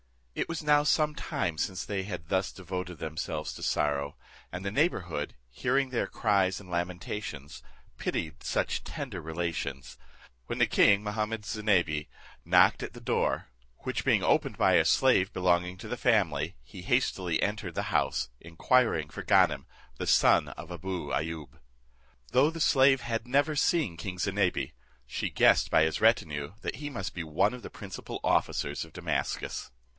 It was now some time since they had thus devoted themselves to sorrow, and the neighbourhood, hearing their cries and lamentations, pitied such tender relations, when king Mahummud Zinebi knocked at the door, which being opened by a slave belonging to the family, he hastily entered the house, inquiring for Ganem, the son of Abou Ayoub. Though the slave had never seen king Zinebi, she guessed by his retinue that he must be one of the principal officers of Damascus.